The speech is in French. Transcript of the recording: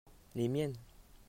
les miennes.